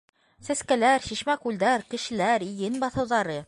Сәскәләр, шишмә-күлдәр, кешеләр, иген баҫыуҙары...